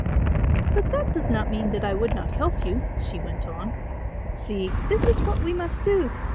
"But that does not mean that I would not help you," she went on. "See this is what we must do.